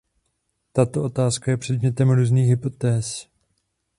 Tato otázka je předmětem různých hypotéz.